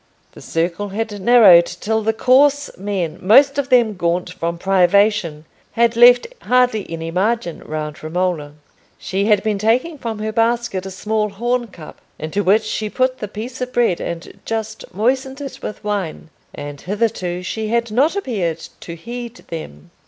The circle had narrowed till the coarse men—most of them gaunt from privation—had left hardly any margin round Romola. She had been taking from her basket a small horn cup, into which she put the piece of bread and just moistened it with wine; and hitherto she had not appeared to heed them.